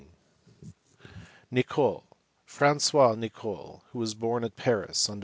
Nicole. Franqois Nicole, who was born at Paris on Dec.